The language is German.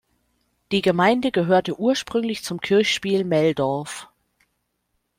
Die Gemeinde gehörte ursprünglich zum Kirchspiel Meldorf.